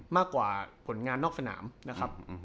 มากกว่าผลงานนอกสนามนะครับ